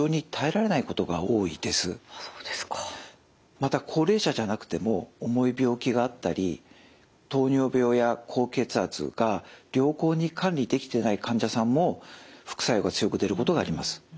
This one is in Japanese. また高齢者じゃなくても重い病気があったり糖尿病や高血圧が良好に管理できていない患者さんも副作用が強く出ることがあります。